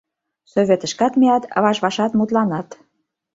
Советышкат мият, ваш-вашат мутланат.